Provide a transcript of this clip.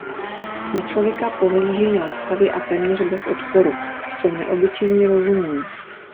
Na člověka pohlížejí laskavě a téměř bez odporu; jsou neobyčejně rozumní.